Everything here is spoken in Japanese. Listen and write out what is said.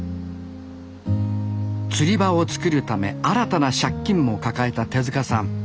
釣り場を作るため新たな借金も抱えた手さん。